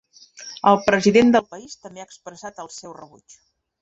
El president del país també ha expressat el seu rebuig.